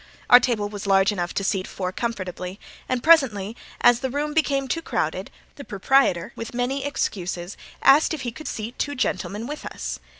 Our table was large enough to seat four comfortably, and presently, as the room became crowded, the proprietor, with many excuses, asked if he could seat two gentlemen with us.